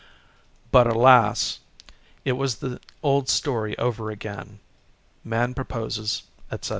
But, alas, it was the old story over again; "man proposes " etc.